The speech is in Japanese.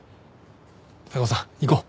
高尾さん行こう。